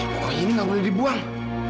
wah ini nggak boleh dibuang